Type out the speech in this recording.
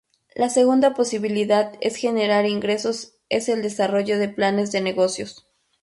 La segunda posibilidad es generar ingresos es el desarrollo de planes de negocios.